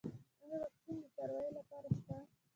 آیا واکسین د څارویو لپاره شته؟